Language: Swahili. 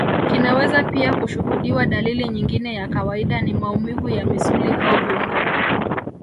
kunaweza pia kushuhudiwa dalili nyingine ya kawaida ni maumivu ya misuli au viungo